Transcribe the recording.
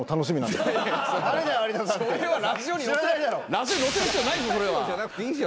ラジオのせる必要ないそれは。